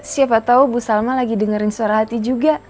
siapa tau ibu salma lagi dengerin surahati juga